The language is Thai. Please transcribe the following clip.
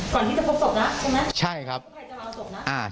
ก่อนที่จะพบปกนะใช่ไหม